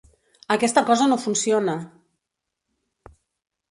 Aquesta cosa no funciona!